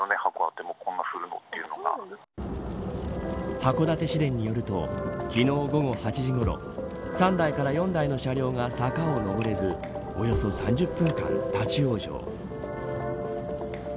函館市電によると昨日午後８時ごろ３台から４台の車両が坂を登れずおよそ３０分間立ち往生。